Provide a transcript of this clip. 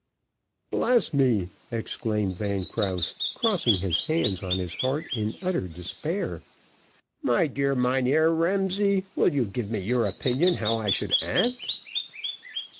"Bless me!" exclaimed Van Krause, crossing his hands on his heart in utter despair. "My dear Mynheer Ramsay, will you give me your opinion how I should act?"